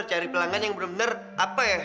dia udah cari pelanggan yang bener bener apa ya